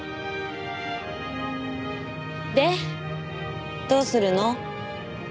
でどうするの？